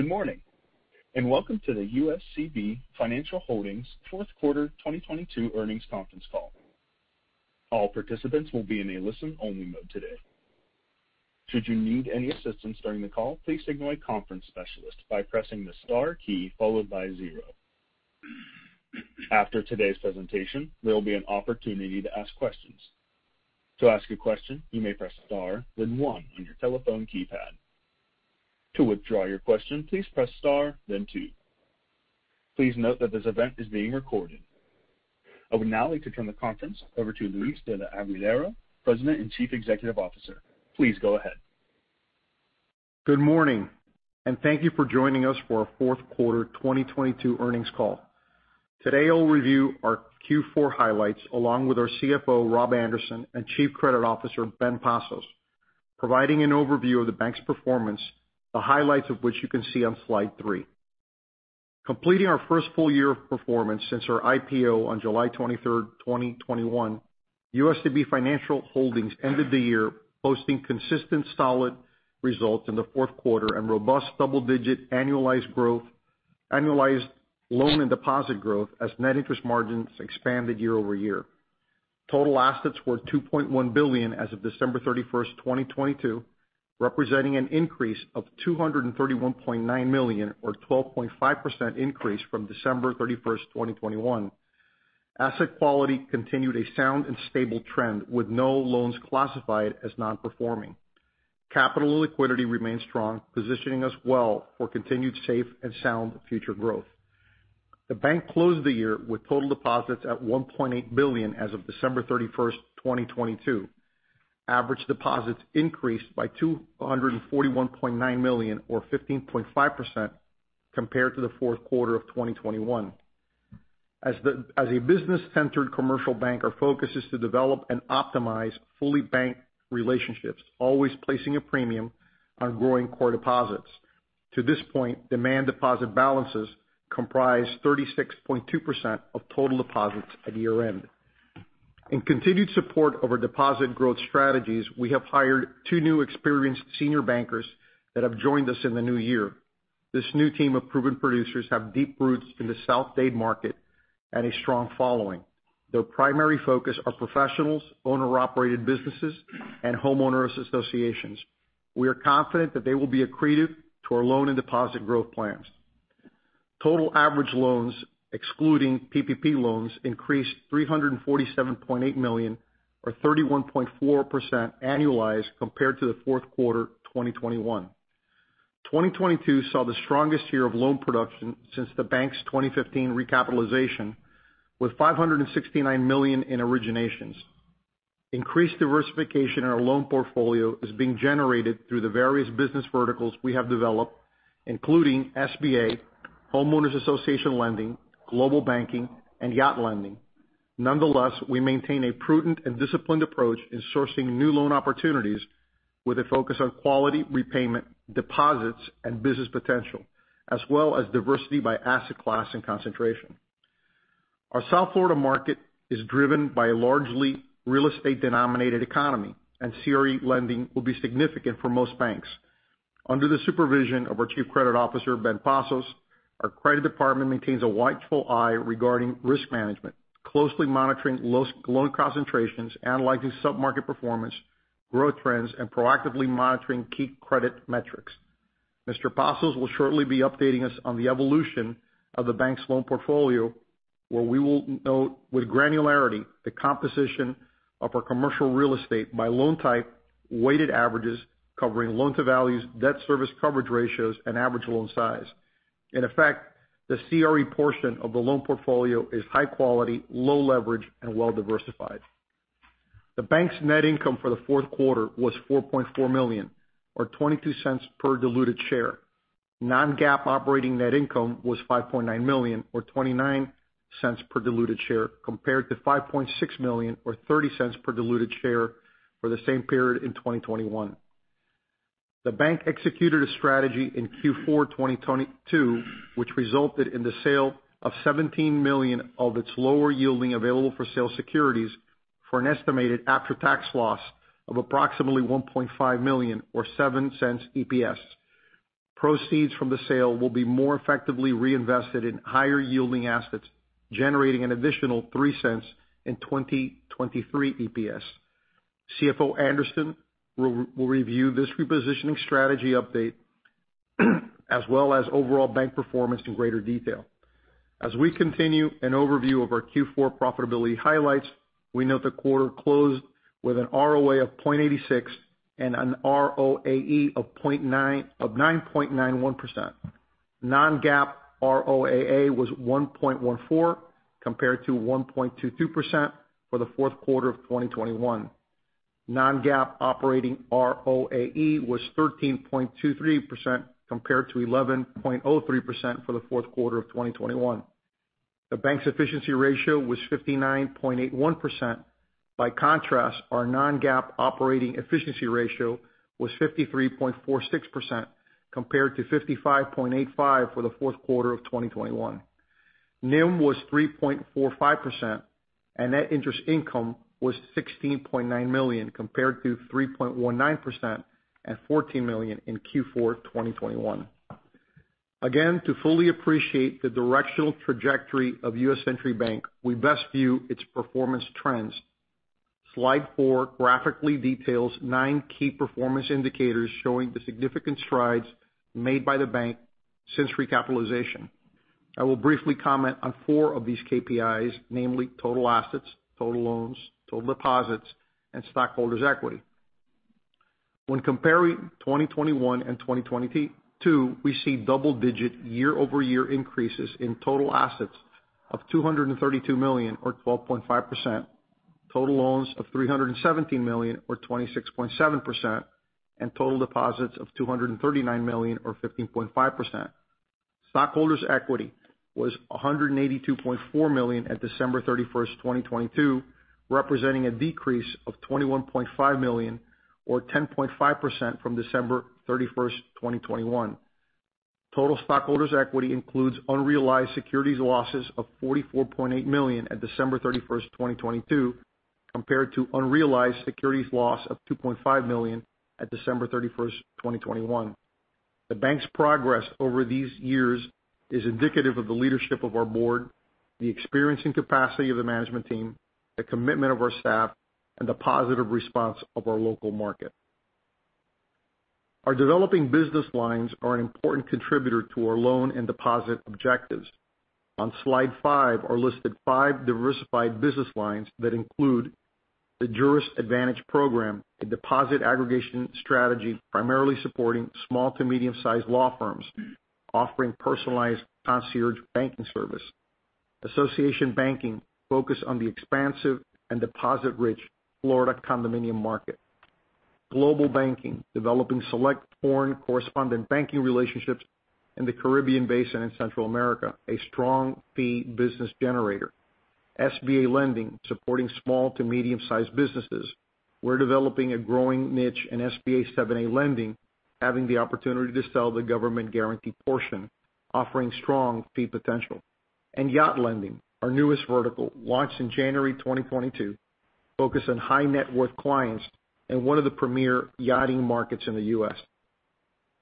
Good morning. Welcome to the USCB Financial Holdings Fourth Quarter 2022 Earnings Conference Call. All participants will be in a listen-only mode today. Should you need any assistance during the call, please signal a conference specialist by pressing the star key followed by zero After today's presentation, there will be an opportunity to ask questions. To ask a question, you may press star then one on your telephone keypad. To withdraw your question, please press star then two. Please note that this event is being recorded. I would now like to turn the conference over to Luis de la Aguilera, President and Chief Executive Officer. Please go ahead. Good morning, thank you for joining us for our Fourth Quarter 2022 Earnings Call. Today, I'll review our Q4 highlights along with our CFO, Rob Anderson, and Chief Credit Officer, Ben Pasos, providing an overview of the bank's performance, the highlights of which you can see on slide three. Completing our first full year of performance since our IPO on July 23rd, 2021, USCB Financial Holdings ended the year posting consistent, solid results in the fourth quarter and robust double-digit annualized loan and deposit growth as net interest margins expanded year-over-year. Total assets were $2.1 billion as of December 31st, 2022, representing an increase of $231.9 million or 12.5% increase from December 31st, 2021. Asset quality continued a sound and stable trend with no loans classified as non-performing. Capital liquidity remains strong, positioning us well for continued safe and sound future growth. The bank closed the year with total deposits at $1.8 billion as of December 31st, 2022. Average deposits increased by $241.9 million or 15.5% compared to the fourth quarter of 2021. As a business-centered commercial bank, our focus is to develop and optimize fully banked relationships, always placing a premium on growing core deposits. To this point, demand deposit balances comprise 36.2% of total deposits at year-end. In continued support of our deposit growth strategies, we have hired two new experienced senior bankers that have joined us in the new year. This new team of proven producers have deep roots in the South Dade market and a strong following. Their primary focus are professionals, owner-operated businesses, and homeowners associations. We are confident that they will be accretive to our loan and deposit growth plans. Total average loans, excluding PPP loans, increased $347.8 million or 31.4% annualized compared to the fourth quarter 2021. 2022 saw the strongest year of loan production since the bank's 2015 recapitalization, with $569 million in originations. Increased diversification in our loan portfolio is being generated through the various business verticals we have developed, including SBA, homeowners association lending, Global Banking, and yacht lending. Nonetheless, we maintain a prudent and disciplined approach in sourcing new loan opportunities with a focus on quality, repayment, deposits, and business potential, as well as diversity by asset class and concentration. Our South Florida market is driven by a largely real estate-denominated economy, and CRE lending will be significant for most banks. Under the supervision of our Chief Credit Officer, Ben Pasos, our credit department maintains a watchful eye regarding risk management, closely monitoring loan concentrations, analyzing submarket performance, growth trends, and proactively monitoring key credit metrics. Mr. Pasos will shortly be updating us on the evolution of the bank's loan portfolio, where we will note with granularity the composition of our commercial real estate by loan type, weighted averages, covering loan to values, debt service coverage ratios, and average loan size. In effect, the CRE portion of the loan portfolio is high quality, low leverage, and well-diversified. The bank's net income for the fourth quarter was $4.4 million or $0.22 per diluted share. Non-GAAP operating net income was $5.9 million or $0.29 per diluted share, compared to $5.6 million or $0.30 per diluted share for the same period in 2021. The bank executed a strategy in Q4 2022 which resulted in the sale of $17 million of its lower yielding available for sale securities for an estimated after-tax loss of approximately $1.5 million or $0.07 EPS. Proceeds from the sale will be more effectively reinvested in higher yielding assets, generating an additional $0.03 in 2023 EPS. CFO Anderson will review this repositioning strategy update as well as overall bank performance in greater detail. As we continue an overview of our Q4 profitability highlights, we note the quarter closed with an ROA of 0.86% and an ROAE of 9.91%. Non-GAAP ROAA was 1.14% compared to 1.22% for the fourth quarter of 2021. non-GAAP operating ROAE was 13.23% compared to 11.03% for the fourth quarter of 2021. The bank's efficiency ratio was 59.81%. By contrast, our non-GAAP operating efficiency ratio was 53.46% compared to 55.85% for the fourth quarter of 2021. NIM was 3.45% and net interest income was $16.9 million compared to 3.19% and $14 million in Q4 2021. To fully appreciate the directional trajectory of U.S. Century Bank, we best view its performance trends. Slide four graphically details nine key performance indicators showing the significant strides made by the bank since recapitalization. I will briefly comment on four of these KPIs, namely total assets, total loans, total deposits, and stockholders' equity. When comparing 2021 and 2022, we see double-digit year-over-year increases in total assets of $232 million or 12.5%, total loans of $317 million or 26.7%, and total deposits of $239 million or 15.5%. Stockholders' equity was $182.4 million at December 31st, 2022, representing a decrease of $21.5 million or 10.5% from December 31st, 2021. Total stockholders' equity includes unrealized securities losses of $44.8 million at December 31st, 2022, compared to unrealized securities loss of $2.5 million at December 31st, 2021. The bank's progress over these years is indicative of the leadership of our board, the experience and capacity of the management team, the commitment of our staff, and the positive response of our local market. Our developing business lines are an important contributor to our loan and deposit objectives. On slide five are listed five diversified business lines that include the Juris Advantage Program, a deposit aggregation strategy primarily supporting small to medium-sized law firms offering personalized concierge banking service. Association Banking focus on the expansive and deposit-rich Florida condominium market. Global Banking, developing select foreign correspondent banking relationships in the Caribbean Basin and Central America, a strong fee business generator. SBA lending, supporting small to medium-sized businesses. We're developing a growing niche in SBA 7(a) lending, having the opportunity to sell the government-guaranteed portion, offering strong fee potential. Yacht lending, our newest vertical, launched in January 2022, focused on high-net-worth clients in one of the premier yachting markets in the U.S.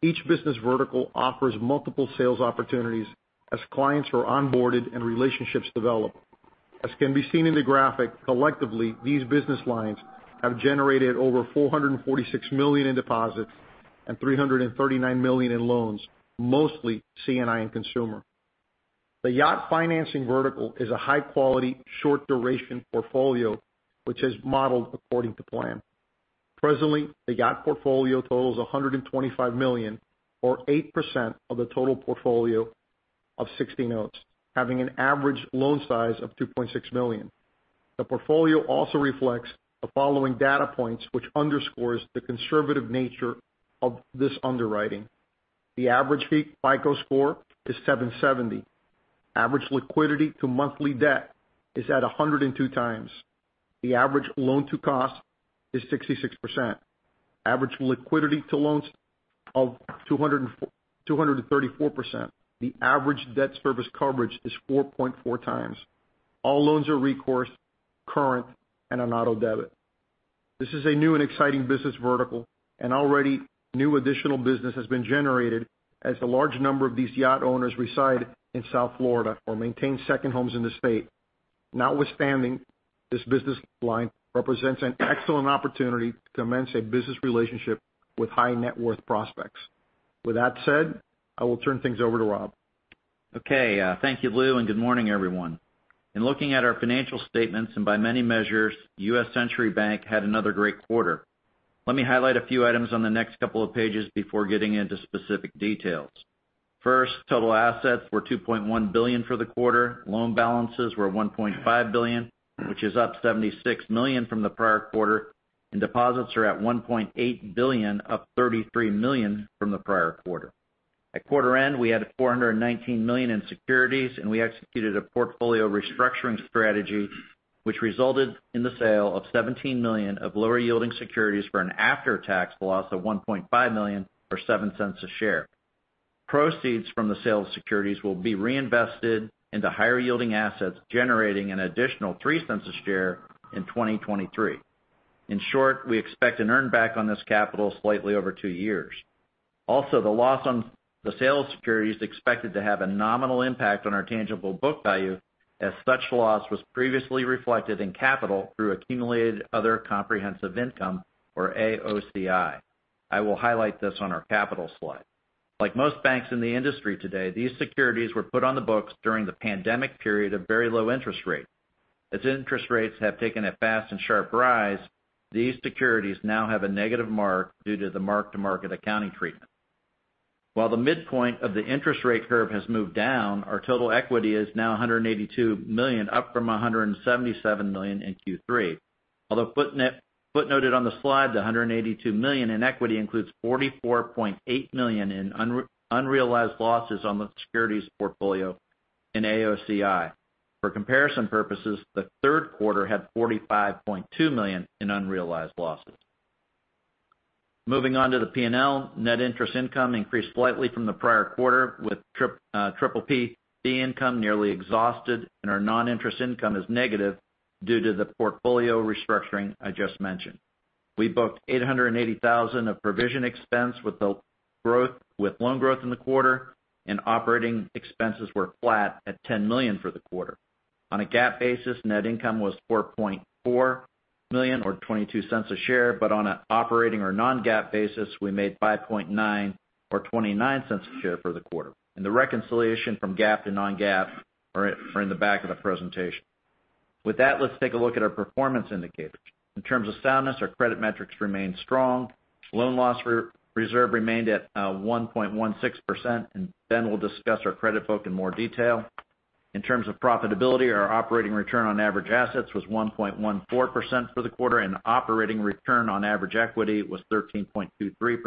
Each business vertical offers multiple sales opportunities as clients are onboarded and relationships develop. As can be seen in the graphic, collectively, these business lines have generated over $446 million in deposits and $339 million in loans, mostly C&I and consumer. The yacht financing vertical is a high-quality, short-duration portfolio which is modeled according to plan. Presently, the yacht portfolio totals $125 million, or 8% of the total portfolio of 60 notes, having an average loan size of $2.6 million. The portfolio also reflects the following data points, which underscores the conservative nature of this underwriting. The average FICO score is 770. Average liquidity to monthly debt is at 102 times. The average loan to cost is 66%. Average liquidity to loans of 234%. The average debt service coverage is 4.4 times. All loans are recourse, current, and on auto debit. This is a new and exciting business vertical and already new additional business has been generated as a large number of these yacht owners reside in South Florida or maintain second homes in the state. This business line represents an excellent opportunity to commence a business relationship with high-net-worth prospects. I will turn things over to Rob. Okay. Thank you, Luis, and good morning, everyone. In looking at our financial statements, and by many measures, U.S. Century Bank had another great quarter. Let me highlight a few items on the next couple of pages before getting into specific details. First, total assets were $2.1 billion for the quarter. Loan balances were $1.5 billion, which is up $76 million from the prior quarter. Deposits are at $1.8 billion, up $33 million from the prior quarter. At quarter end, we had $419 million in securities and we executed a portfolio restructuring strategy which resulted in the sale of $17 million of lower-yielding securities for an after-tax loss of $1.5 million, or $0.07 a share. Proceeds from the sale of securities will be reinvested into higher-yielding assets, generating an additional $0.03 a share in 2023. In short, we expect an earn back on this capital slightly over two years. The loss on the sale of securities is expected to have a nominal impact on our tangible book value as such loss was previously reflected in capital through accumulated other comprehensive income, or AOCI. I will highlight this on our capital slide. Most banks in the industry today, these securities were put on the books during the pandemic period of very low interest rates. Interest rates have taken a fast and sharp rise, these securities now have a negative mark due to the mark-to-market accounting treatment. While the midpoint of the interest rate curve has moved down, our total equity is now $182 million, up from $177 million in Q3. Although footnoted on the slide, the $182 million in equity includes $44.8 million in unrealized losses on the securities portfolio in AOCI. For comparison purposes, the third quarter had $45.2 million in unrealized losses. Moving on to the P&L. Net interest income increased slightly from the prior quarter, with PPP fee income nearly exhausted and our non-interest income is negative due to the portfolio restructuring I just mentioned. We booked $880,000 of provision expense with loan growth in the quarter and operating expenses were flat at $10 million for the quarter. On a GAAP basis, net income was $4.4 million or $0.22 a share, on an operating or non-GAAP basis, we made $5.9 million or $0.29 a share for the quarter. The reconciliation from GAAP to non-GAAP are in the back of the presentation. With that, let's take a look at our performance indicators. In terms of soundness, our credit metrics remained strong. Loan loss re-reserve remained at 1.16%. Ben will discuss our credit book in more detail. In terms of profitability, our operating return on average assets was 1.14% for the quarter. Operating return on average equity was 13.23%.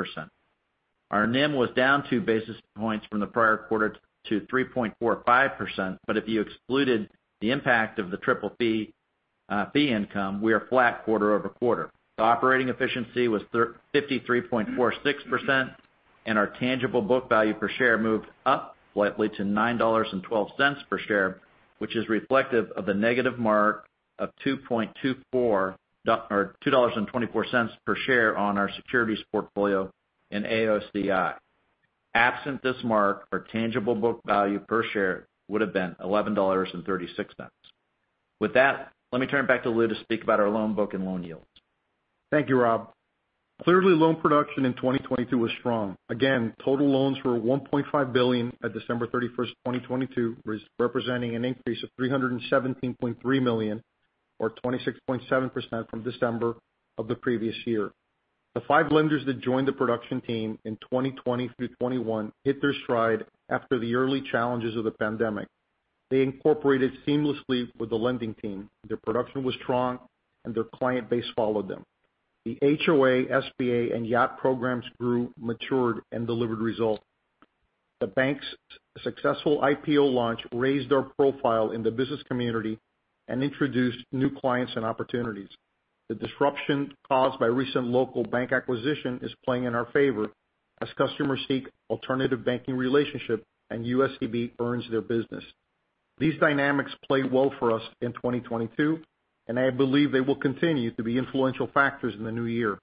Our NIM was down two basis points from the prior quarter to 3.45%. If you excluded the impact of the Triple P fee income, we are flat quarter-over-quarter. Operating efficiency was 53.46%, our tangible book value per share moved up slightly to $9.12 per share, which is reflective of the negative mark of $2.24 per share on our securities portfolio in AOCI. Absent this mark, our tangible book value per share would have been $11.36. With that, let me turn it back to Luis to speak about our loan book and loan yields. Thank you, Rob. Clearly, loan production in 2022 was strong. Again, total loans were $1.5 billion at December 31, 2022, representing an increase of $317.3 million or 26.7% from December of the previous year. The five lenders that joined the production team in 2020-2021 hit their stride after the early challenges of the pandemic. They incorporated seamlessly with the lending team. Their production was strong, and their client base followed them. The HOA, SBA, and yacht programs grew, matured, and delivered results. The bank's successful IPO launch raised our profile in the business community and introduced new clients and opportunities. The disruption caused by recent local bank acquisition is playing in our favor as customers seek alternative banking relationship and USCB earns their business. These dynamics played well for us in 2022, and I believe they will continue to be influential factors in the new year.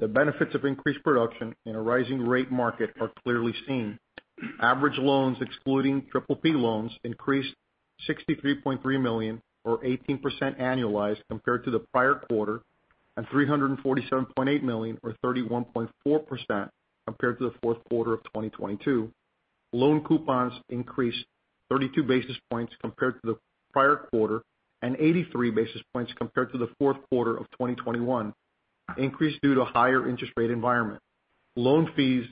The benefits of increased production in a rising rate market are clearly seen. Average loans excluding PPP loans increased $63.3 million or 18% annualized compared to the prior quarter, and $347.8 million or 31.4% compared to the fourth quarter of 2022. Loan coupons increased 32 basis points compared to the prior quarter and 83 basis points compared to the fourth quarter of 2021, increase due to higher interest rate environment. Loan fees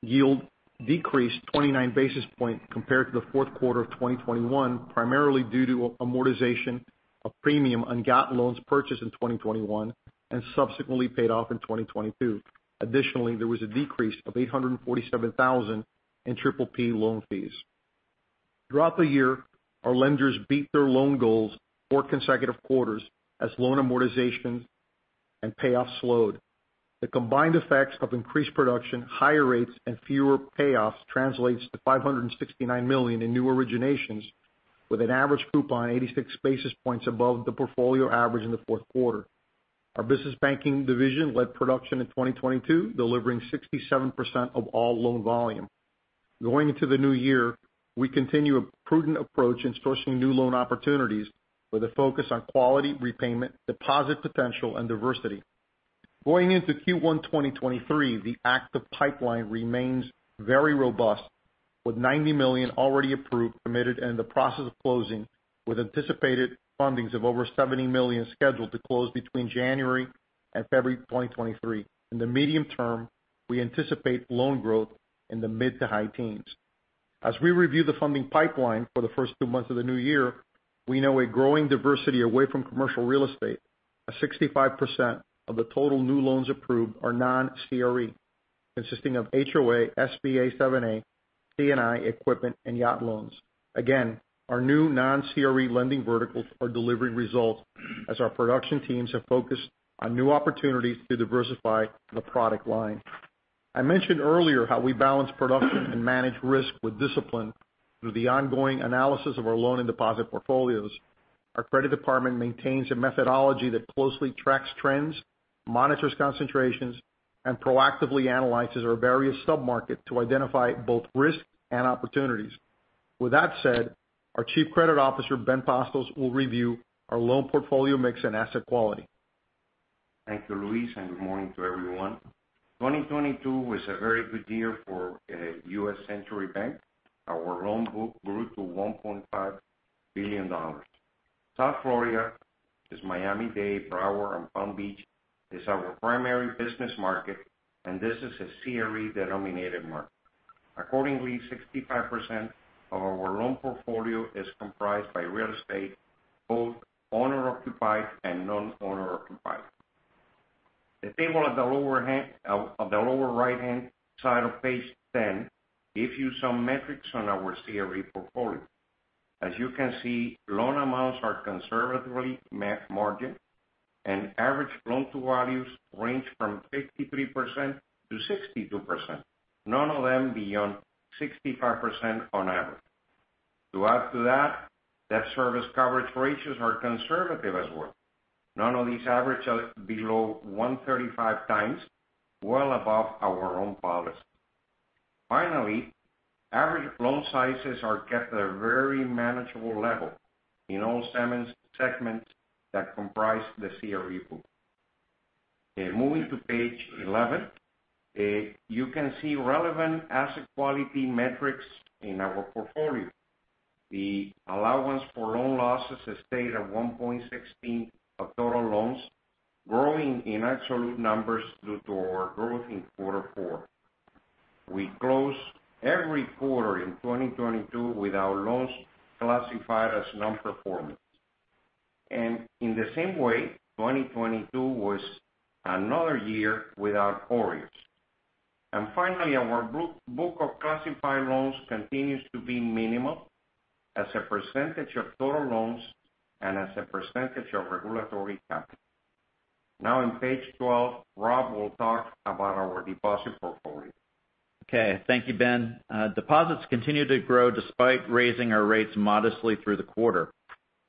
yield decreased 29 basis points compared to the fourth quarter of 2021, primarily due to amortization of premium on GAAP loans purchased in 2021 and subsequently paid off in 2022. Additionally, there was a decrease of $847,000 in PPP loan fees. Throughout the year, our lenders beat their loan goals for consecutive quarters as loan amortizations and payoffs slowed. The combined effects of increased production, higher rates, and fewer payoffs translates to $569 million in new originations with an average coupon 86 basis points above the portfolio average in the fourth quarter. Our business banking division led production in 2022, delivering 67% of all loan volume. Going into the new year, we continue a prudent approach in sourcing new loan opportunities with a focus on quality, repayment, deposit potential, and diversity. Going into Q1 2023, the active pipeline remains very robust, with $90 million already approved, permitted, and in the process of closing, with anticipated fundings of over $70 million scheduled to close between January and February 2023. In the medium term, we anticipate loan growth in the mid to high teens. As we review the funding pipeline for the first two months of the new year, we know a growing diversity away from commercial real estate. 65% of the total new loans approved are non-CRE, consisting of HOA, SBA 7(a), C&I, equipment, and yacht loans. Our new non-CRE lending verticals are delivering results as our production teams have focused on new opportunities to diversify the product line. I mentioned earlier how we balance production and manage risk with discipline through the ongoing analysis of our loan and deposit portfolios. Our credit department maintains a methodology that closely tracks trends, monitors concentrations, and proactively analyzes our various sub-market to identify both risks and opportunities. Our Chief Credit Officer, Ben Pasos, will review our loan portfolio mix and asset quality. Thank you, Luis. Good morning to everyone. 2022 was a very good year for U.S. Century Bank. Our loan book grew to $1.5 billion. South Florida is Miami-Dade, Broward, and Palm Beach is our primary business market, and this is a CRE-denominated market. Accordingly, 65% of our loan portfolio is comprised by real estate, both owner-occupied and non-owner-occupied. The table at the lower right-hand side of page 10 give you some metrics on our CRE portfolio. As you can see, loan amounts are conservatively margined and average loan to values range from 53%-62%, none of them beyond 65% on average. To add to that, debt service coverage ratios are conservative as well. None of these average below 1.35 times, well above our own policy. Average loan sizes are kept at a very manageable level in all segments that comprise the CRE pool. Moving to page 11, you can see relevant asset quality metrics in our portfolio. The allowance for loan losses has stayed at 1.60 of total loans, growing in absolute numbers due to our growth in quarter four. We close every quarter in 2022 with our loans classified as non-performance. In the same way, 2022 was another year without OREO. Finally, our book of classified loans continues to be minimal as a percentage of total loans and as a percentage of regulatory capital. In page 12, Rob will talk about our deposit portfolio. Okay, thank you, Ben. Deposits continued to grow despite raising our rates modestly through the quarter.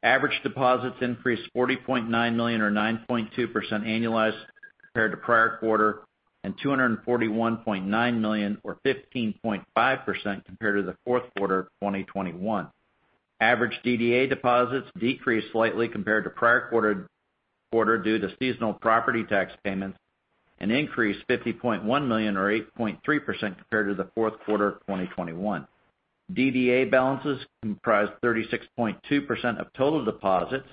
Average deposits increased $40.9 million or 9.2% annualized compared to prior quarter, and $241.9 million or 15.5% compared to the fourth quarter of 2021. Average DDA deposits decreased slightly compared to prior quarter due to seasonal property tax payments and increased $50.1 million or 8.3% compared to the fourth quarter of 2021. DDA balances comprised 36.2% of total deposits.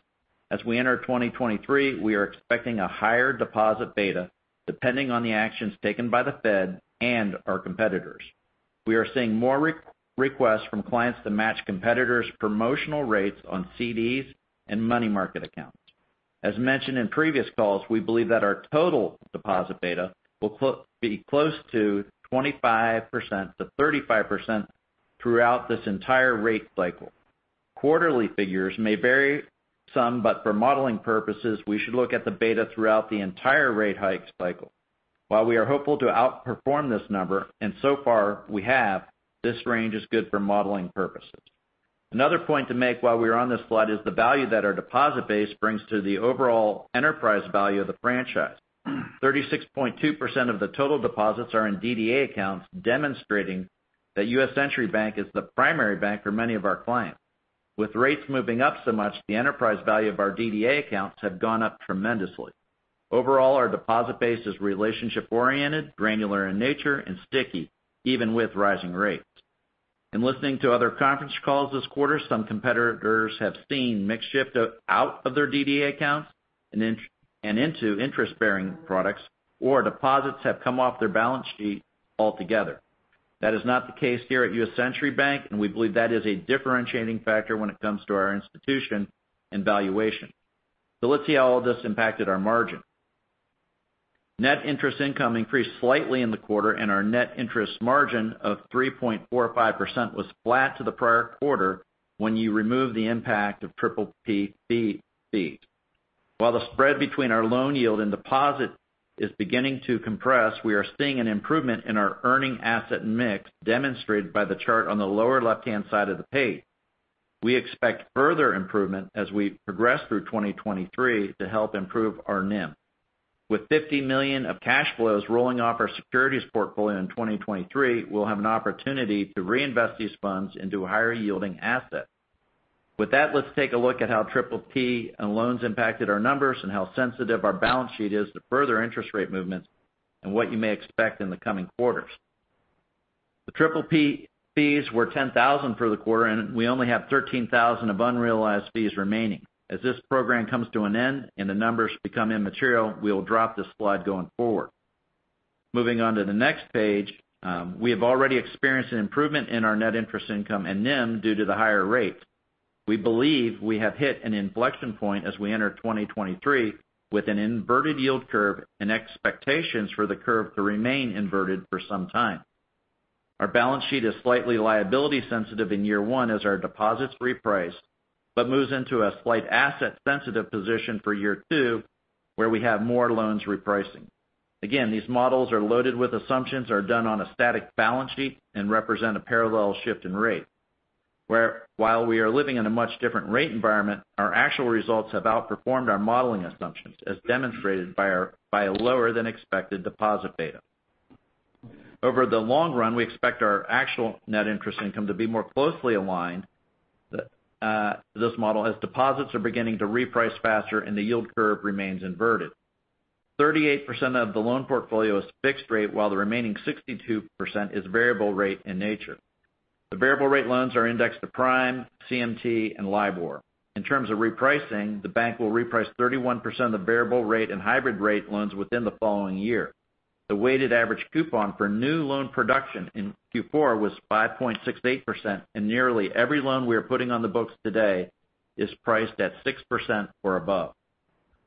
As we enter 2023, we are expecting a higher deposit beta, depending on the actions taken by the Fed and our competitors. We are seeing more re-requests from clients to match competitors' promotional rates on CDs and money market accounts. As mentioned in previous calls, we believe that our total deposit beta will be close to 25%-35% throughout this entire rate cycle. Quarterly figures may vary some, for modeling purposes, we should look at the beta throughout the entire rate hike cycle. We are hopeful to outperform this number, and so far we have, this range is good for modeling purposes. Another point to make while we are on this slide is the value that our deposit base brings to the overall enterprise value of the franchise. 36.2% of the total deposits are in DDA accounts, demonstrating that U.S. Century Bank is the primary bank for many of our clients. With rates moving up so much, the enterprise value of our DDA accounts have gone up tremendously. Overall, our deposit base is relationship-oriented, granular in nature and sticky, even with rising rates. In listening to other conference calls this quarter, some competitors have seen mix shift out of their DDA accounts and into interest-bearing products or deposits have come off their balance sheet altogether. That is not the case here at U.S. Century Bank, and we believe that is a differentiating factor when it comes to our institution and valuation. Let's see how all this impacted our margin. Net interest income increased slightly in the quarter, and our net interest margin of 3.45% was flat to the prior quarter when you remove the impact of PPP fees. While the spread between our loan yield and deposit is beginning to compress, we are seeing an improvement in our earning asset mix, demonstrated by the chart on the lower left-hand side of the page. We expect further improvement as we progress through 2023 to help improve our NIM. With $50 million of cash flows rolling off our securities portfolio in 2023, we'll have an opportunity to reinvest these funds into a higher-yielding asset. With that, let's take a look at how Triple P and loans impacted our numbers and how sensitive our balance sheet is to further interest rate movements and what you may expect in the coming quarters. The Triple P fees were $10,000 for the quarter, and we only have $13,000 of unrealized fees remaining. As this program comes to an end and the numbers become immaterial, we will drop this slide going forward. Moving on to the next page, we have already experienced an improvement in our net interest income and NIM due to the higher rates. We believe we have hit an inflection point as we enter 2023 with an inverted yield curve and expectations for the curve to remain inverted for some time. Our balance sheet is slightly liability-sensitive in year one as our deposits reprice, but moves into a slight asset-sensitive position for year two, where we have more loans repricing. Again, these models are loaded with assumptions, are done on a static balance sheet and represent a parallel shift in rate. While we are living in a much different rate environment, our actual results have outperformed our modeling assumptions, as demonstrated by a lower than expected deposit beta. Over the long run, we expect our actual net interest income to be more closely aligned, this model as deposits are beginning to reprice faster and the yield curve remains inverted. 38% of the loan portfolio is fixed rate while the remaining 62% is variable rate in nature. The variable rate loans are indexed to Prime, CMT, and LIBOR. In terms of repricing, the bank will reprice 31% of variable rate and hybrid rate loans within the following year. The weighted average coupon for new loan production in Q4 was 5.68%, and nearly every loan we are putting on the books today is priced at 6% or above.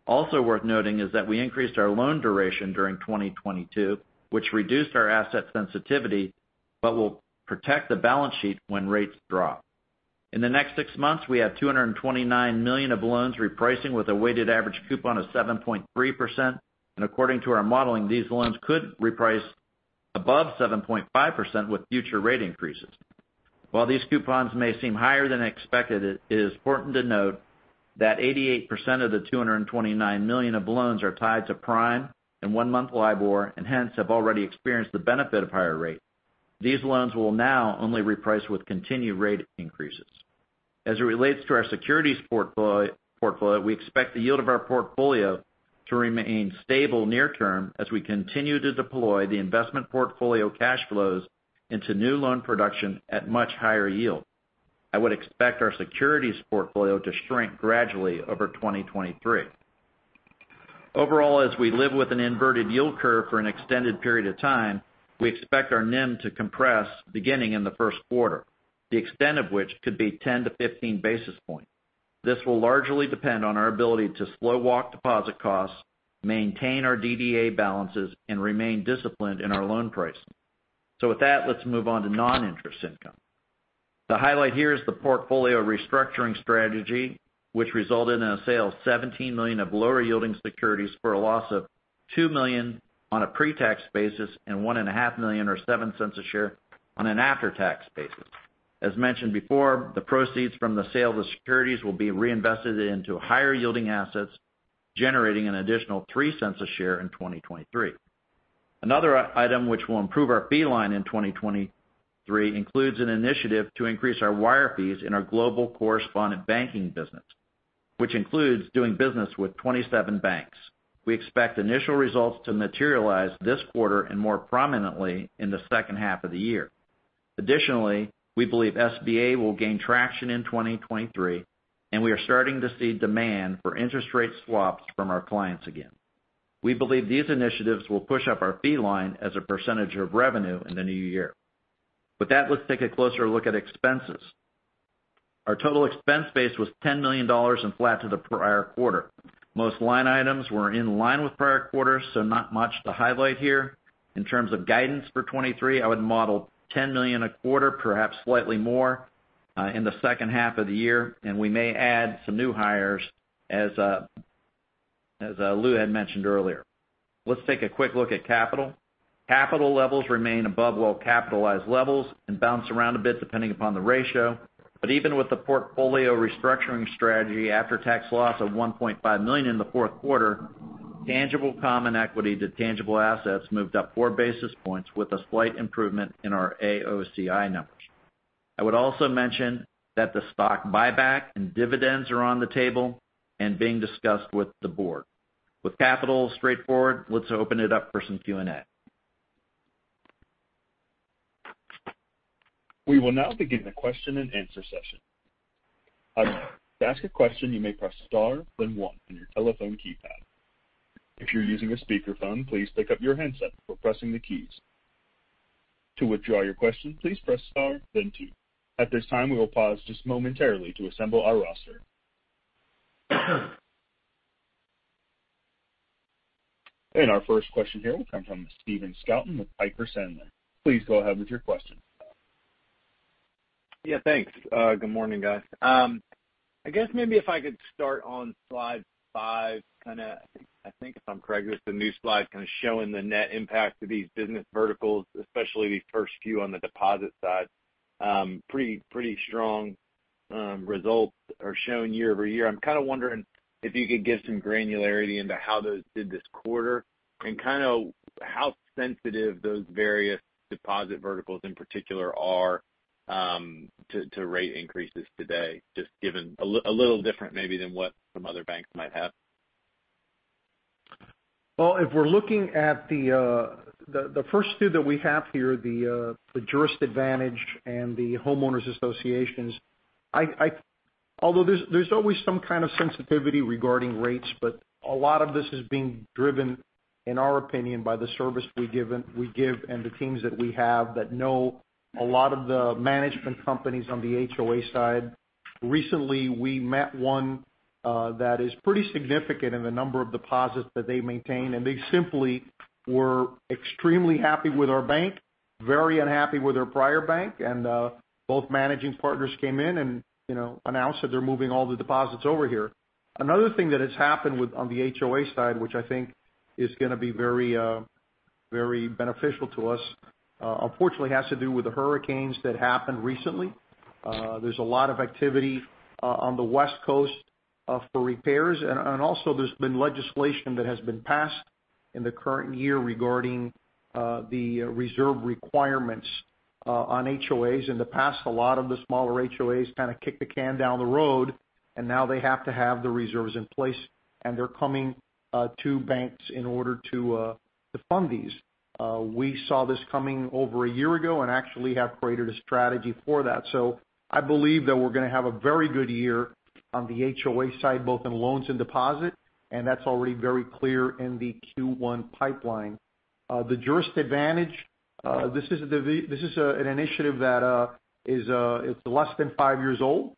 Also worth noting is that we increased our loan duration during 2022, which reduced our asset sensitivity but will protect the balance sheet when rates drop. In the next six months, we have $229 million of loans repricing with a weighted average coupon of 7.3%. According to our modeling, these loans could reprice above 7.5% with future rate increases. While these coupons may seem higher than expected, it is important to note that 88% of the $229 million of loans are tied to Prime and one-month LIBOR and hence have already experienced the benefit of higher rates. These loans will now only reprice with continued rate increases. As it relates to our securities portfolio, we expect the yield of our portfolio to remain stable near term as we continue to deploy the investment portfolio cash flows into new loan production at much higher yield. I would expect our securities portfolio to shrink gradually over 2023. Overall, as we live with an inverted yield curve for an extended period of time, we expect our NIM to compress beginning in the first quarter, the extent of which could be 10 to 15 basis points. This will largely depend on our ability to slow walk deposit costs, maintain our DDA balances, and remain disciplined in our loan pricing. With that, let's move on to non-interest income. The highlight here is the portfolio restructuring strategy, which resulted in a sale of $17 million of lower-yielding securities for a loss of $2 million on a pre-tax basis and one and a half million or $0.07 a share on an after-tax basis. As mentioned before, the proceeds from the sale of the securities will be reinvested into higher-yielding assets, generating an additional $0.03 a share in 2023. Another item which will improve our fee line in 2023 includes an initiative to increase our wire fees in our Global correspondent banking business, which includes doing business with 27 banks. We expect initial results to materialize this quarter and more prominently in the second half of the year. Additionally, we believe SBA will gain traction in 2023, and we are starting to see demand for interest rate swaps from our clients again. We believe these initiatives will push up our fee line as a percentage of revenue in the new year. With that, let's take a closer look at expenses. Our total expense base was $10 million and flat to the prior quarter. Most line items were in line with prior quarters, so not much to highlight here. In terms of guidance for 2023, I would model $10 million a quarter, perhaps slightly more in the second half of the year, and we may add some new hires as Lou had mentioned earlier. Let's take a quick look at capital. Capital levels remain above well-capitalized levels and bounce around a bit depending upon the ratio. Even with the portfolio restructuring strategy after-tax loss of $1.5 million in the fourth quarter, tangible common equity to tangible assets moved up four basis points with a slight improvement in our AOCI numbers. I would also mention that the stock buyback and dividends are on the table and being discussed with the board. With capital straightforward, let's open it up for some Q&A. We will now begin the question-and-answer session. To ask a question, you may press star then one on your telephone keypad. If you're using a speakerphone, please pick up your handset before pressing the keys. To withdraw your question, please press star then two. At this time, we will pause just momentarily to assemble our roster. Our first question here will come from Stephen Scouten with Piper Sandler. Please go ahead with your question. Yeah, thanks. Good morning, guys. I guess maybe if I could start on slide five kinda I think, if I'm correct, it's the new slide kinda showing the net impact of these business verticals, especially these first few on the deposit side. Pretty, pretty strong results are shown year-over-year. I'm kinda wondering if you could give some granularity into how those did this quarter and kind of how sensitive those various deposit verticals in particular are to rate increases today, just given a little different maybe than what some other banks might have. If we're looking at the first two that we have here, the Juris Advantage and the homeowners associations, although there's always some kind of sensitivity regarding rates, but a lot of this is being driven, in our opinion, by the service we give and the teams that we have that know a lot of the management companies on the HOA side. Recently, we met one that is pretty significant in the number of deposits that they maintain, and they simply were extremely happy with our bank, very unhappy with their prior bank, and both managing partners came in and, you know, announced that they're moving all the deposits over here. Another thing that has happened on the HOA side, which I think is gonna be very, very beneficial to us, unfortunately has to do with the hurricanes that happened recently. There's a lot of activity on the West Coast for repairs and also there's been legislation that has been passed in the current year regarding the reserve requirements on HOAs. In the past, a lot of the smaller HOAs kinda kicked the can down the road, and now they have to have the reserves in place, and they're coming to banks in order to fund these. We saw this coming over a year ago and actually have created a strategy for that. I believe that we're going to have a very good year on the HOA side, both in loans and deposit, and that's already very clear in the Q1 pipeline. The Juris Advantage, this is an initiative that is less than five years old.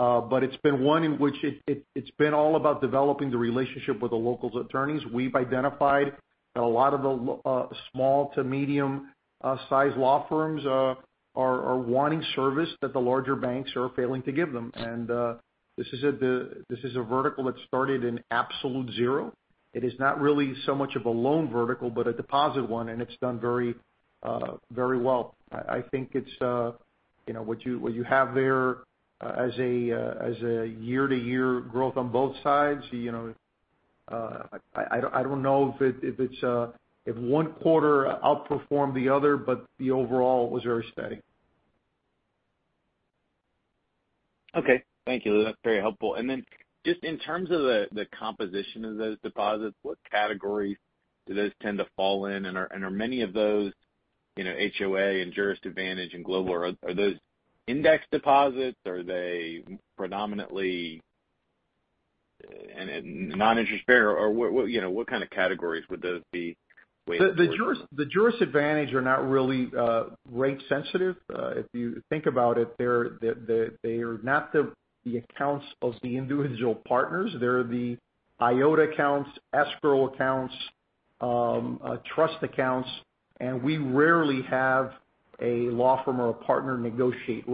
It's been one in which it's been all about developing the relationship with the local attorneys. We've identified that a lot of the small to medium size law firms are wanting service that the larger banks are failing to give them. This is a vertical that started in absolute zero. It is not really so much of a loan vertical, but a deposit one, and it's done very well. I think it's, you know, what you have there, as a, as a year-to-year growth on both sides, you know, I don't know if it's, if one quarter outperformed the other, but the overall was very steady. Okay. Thank you, Luis. That's very helpful. Then just in terms of the composition of those deposits, what categories do those tend to fall in? Are many of those, you know, HOA and Juris Advantage and Global, are those index deposits? Are they predominantly and non-interest bearer? What, you know, what kind of categories would those be weighed towards? The Juris Advantage are not really rate sensitive. If you think about it, they are not the accounts of the individual partners. They're the IOTA accounts, escrow accounts, trust accounts. We rarely have a law firm or a partner negotiate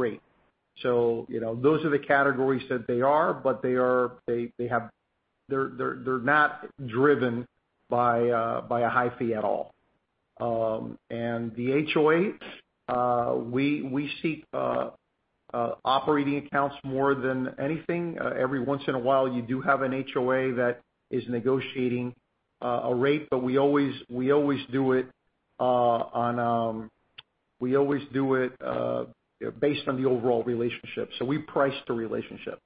rate. You know, those are the categories that they are, but they're not driven by a high fee at all. The HOAs, we see operating accounts more than anything. Every once in a while, you do have an HOA that is negotiating a rate, but we always do it based on the overall relationship. We price the relationship.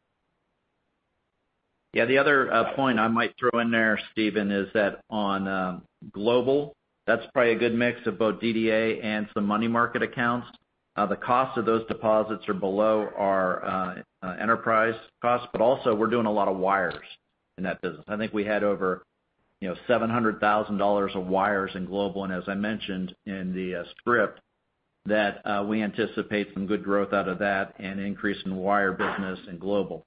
Yeah. The other point I might throw in there, Stephen, is that on Global, that's probably a good mix of both DDA and some money market accounts. The cost of those deposits are below our enterprise cost, but also we're doing a lot of wires in that business. I think we had over, you know, $700,000 of wires in Global. As I mentioned in the script that we anticipate some good growth out of that and increase in wire business in Global.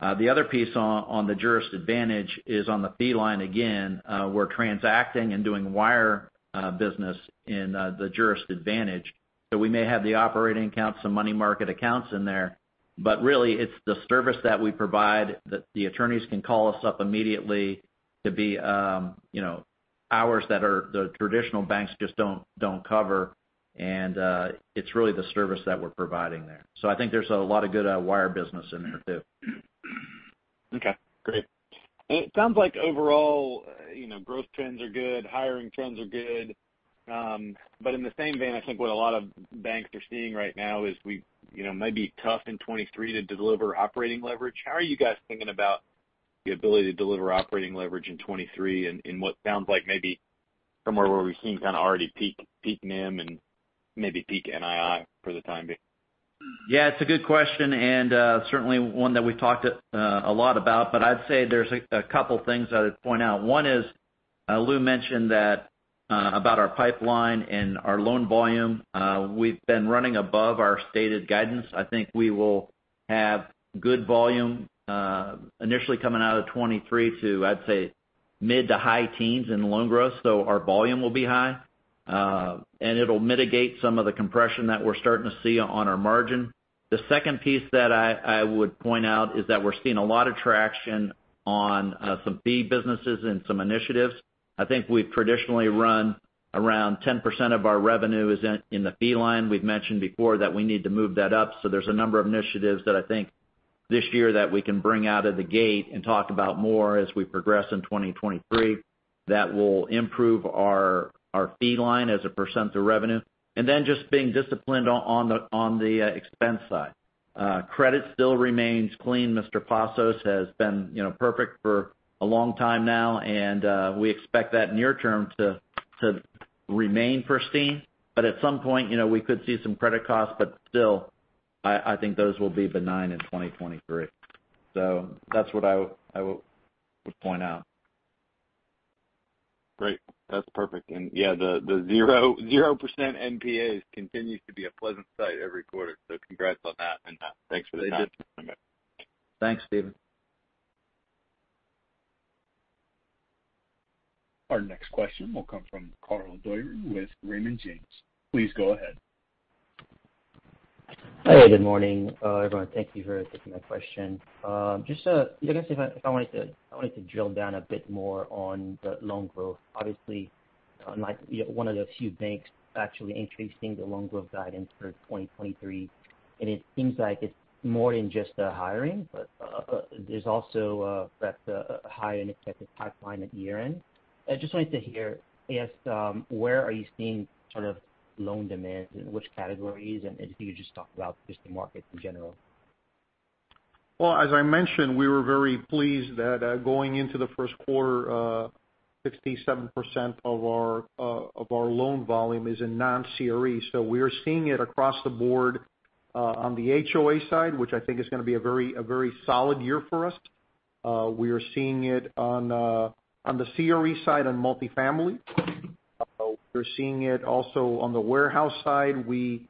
The other piece on the Juris Advantage is on the fee line again, we're transacting and doing wire business in the Juris Advantage. We may have the operating accounts, some money market accounts in there, but really it's the service that we provide that the attorneys can call us up immediately to be, you know, hours that the traditional banks just don't cover. It's really the service that we're providing there. I think there's a lot of good wire business in there too. Okay. Great. It sounds like overall, you know, growth trends are good, hiring trends are good. In the same vein, I think what a lot of banks are seeing right now is we, you know, it might be tough in 2023 to deliver operating leverage. How are you guys thinking about the ability to deliver operating leverage in 2023 in what sounds like maybe somewhere where we're seeing kind of already peak, peaking NIM and maybe peak NII for the time being? Yeah, it's a good question, and certainly one that we've talked a lot about. I'd say there's a couple things I would point out. One is, Lou mentioned that about our pipeline and our loan volume. We've been running above our stated guidance. I think we will have good volume initially coming out of 2023 to, I'd say, mid to high teens in loan growth. Our volume will be high. It'll mitigate some of the compression that we're starting to see on our margin. The second piece that I would point out is that we're seeing a lot of traction on some fee businesses and some initiatives. I think we've traditionally run around 10% of our revenue is in the fee line. We've mentioned before that we need to move that up. There's a number of initiatives that I think this year that we can bring out of the gate and talk about more as we progress in 2023 that will improve our fee line as a percentage of revenue. Just being disciplined on the expense side. Credit still remains clean Mr. Pasos has been, you know, perfect for a long time now, and we expect that near term to remain pristine. At some point, you know, we could see some credit costs, but still, I think those will be benign in 2023. That's what I would point out. Great. That's perfect. Yeah, the 0% NPAs continues to be a pleasant sight every quarter. Congrats on that and thanks for the time. Thanks Stephen. Our next question will come from Michael Rose with Raymond James. Please go ahead. Hey, good morning, everyone. Thank you for taking my question. Just, you guys, I wanted to drill down a bit more on the loan growth. Obviously, unlike, you know, one of the few banks actually increasing the loan growth guidance for 2023, it seems like it's more than just the hiring, but there's also that high unexpected pipeline at year-end. I just wanted to hear as, where are you seeing sort of loan demand, in which categories, if you could just talk about just the market in general. As I mentioned, we were very pleased that going into the first quarter, 67% of our of our loan volume is in non-CRE. We're seeing it across the board on the HOA side, which I think is gonna be a very solid year for us. We are seeing it on on the CRE side on multifamily. We're seeing it also on the warehouse side. We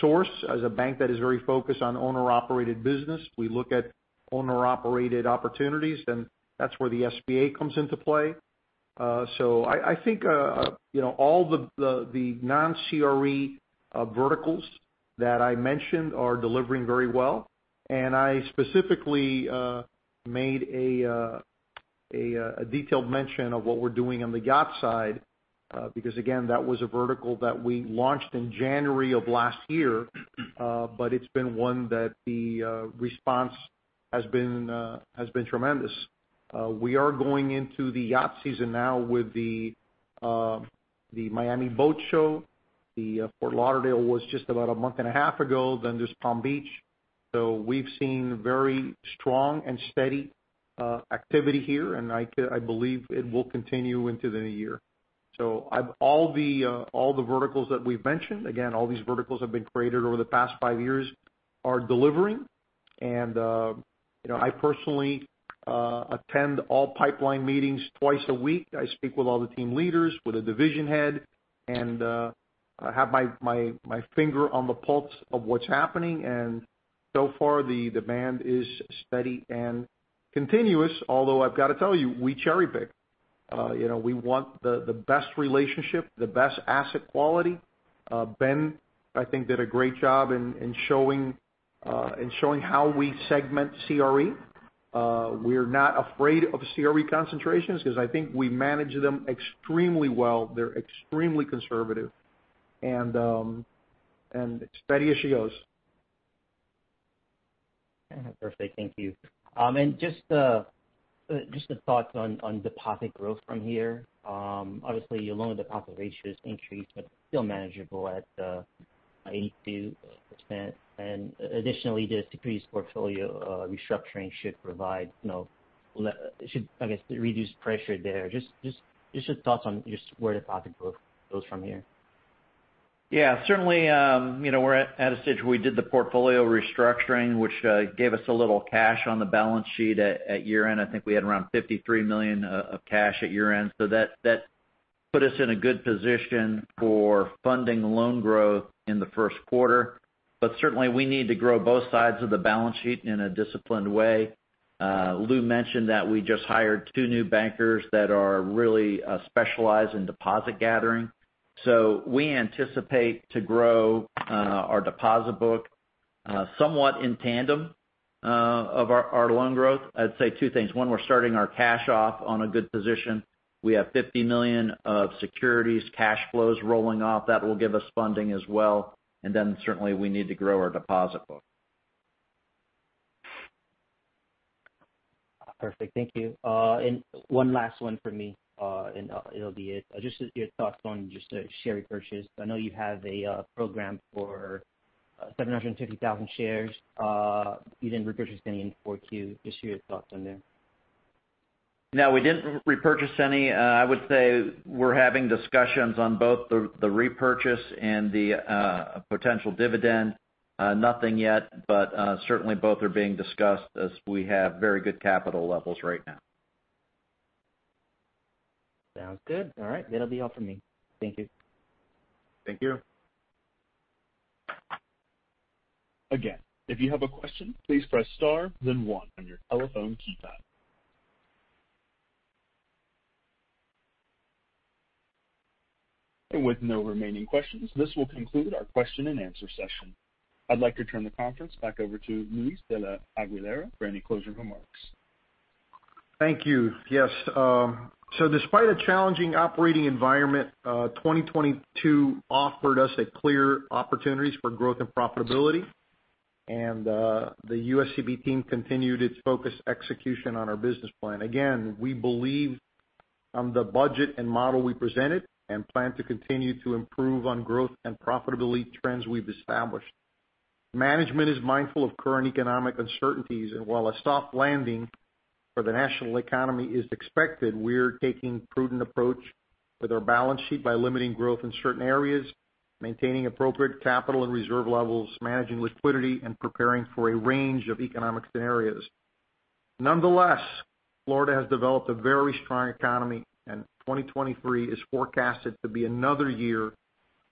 source as a bank that is very focused on owner-operated business. We look at owner-operated opportunities, and that's where the SBA comes into play. I think, you know, all the non-CRE verticals that I mentioned are delivering very well. I specifically made a detailed mention of what we're doing on the yacht side, because again, that was a vertical that we launched in January of last year. It's been one that the response has been tremendous. We are going into the yacht season now with the Miami Boat Show. The Fort Lauderdale was just about a month and a half ago, then there's Palm Beach. We've seen very strong and steady activity here, and I believe it will continue into the new year. All the verticals that we've mentioned, again, all these verticals have been created over the past five years, are delivering. You know, I personally attend all pipeline meetings twice a week. I speak with all the team leaders, with the division head, I have my finger on the pulse of what's happening. So far the demand is steady and continuous, although I've got to tell you, we cherry-pick. You know, we want the best relationship, the best asset quality. Ben, I think did a great job in showing how we segment CRE. We're not afraid of CRE concentrations because I think we manage them extremely well. They're extremely conservative. Steady as she goes. Perfect. Thank you. Just some thoughts on deposit growth from here. Obviously your loan deposit ratios increased but still manageable at 82%. Additionally, the decreased portfolio restructuring should provide, you know, it should, I guess, reduce pressure there. Just your thoughts on just where deposit growth goes from here? Yeah, certainly, you know, we're at a stage where we did the portfolio restructuring, which gave us a little cash on the balance sheet at year-end. I think we had around $53 million of cash at year-end. That put us in a good position for funding loan growth in the first quarter. Certainly we need to grow both sides of the balance sheet in a disciplined way. Lou mentioned that we just hired two new bankers that are really specialized in deposit gathering. We anticipate to grow our deposit book somewhat in tandem of our loan growth. I'd say two things. One, we're starting our cash off on a good position. We have $50 million of securities cash flows rolling off. That will give us funding as well. Certainly we need to grow our deposit book. Perfect. Thank you. One last one for me, and, it'll be it. Just your thoughts on just share repurchase. I know you have a program for 750,000 shares. You didn't repurchase any in 4Q. Just your thoughts on there. No, we didn't repurchase any. I would say we're having discussions on both the repurchase and the potential dividend. Nothing yet, but certainly both are being discussed as we have very good capital levels right now. Sounds good. All right. That'll be all for me. Thank you. Thank you. Again, if you have a question, please press star then one on your telephone keypad. With no remaining questions, this will conclude our question and answer session. I'd like to turn the conference back over to Luis de la Aguilera for any closing remarks. Thank you. Yes. Despite a challenging operating environment, 2022 offered us a clear opportunities for growth and profitability. The USCB team continued its focused execution on our business plan. Again, we believe on the budget and model we presented and plan to continue to improve on growth and profitability trends we've established. Management is mindful of current economic uncertainties, and while a soft landing for the national economy is expected, we're taking prudent approach with our balance sheet by limiting growth in certain areas, maintaining appropriate capital and reserve levels, managing liquidity, and preparing for a range of economic scenarios. Nonetheless, Florida has developed a very strong economy, and 2023 is forecasted to be another year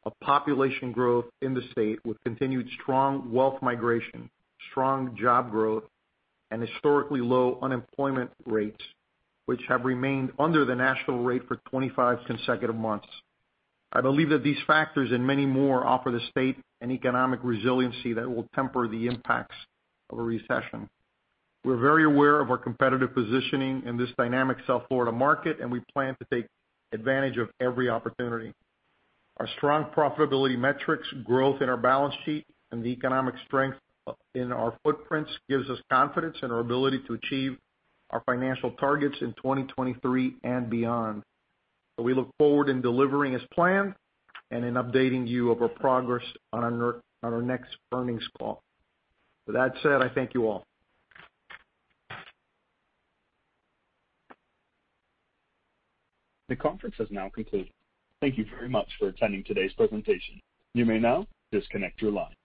of population growth in the state with continued strong wealth migration, strong job growth, and historically low unemployment rates, which have remained under the national rate for 25 consecutive months. I believe that these factors and many more offer the state an economic resiliency that will temper the impacts of a recession. We're very aware of our competitive positioning in this dynamic South Florida market, and we plan to take advantage of every opportunity. Our strong profitability metrics, growth in our balance sheet, and the economic strength in our footprints gives us confidence in our ability to achieve our financial targets in 2023 and beyond. We look forward in delivering as planned and in updating you of our progress on our next earnings call. With that said, I thank you all. The conference has now concluded. Thank you very much for attending today's presentation. You may now disconnect your line.